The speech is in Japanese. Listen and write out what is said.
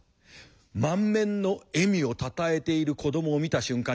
満面の笑みをたたえている子どもを見た瞬間